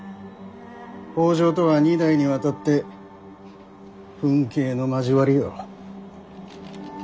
北条とは二代にわたって刎頸の交わりよ。